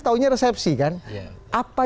tahunya resepsi kan apa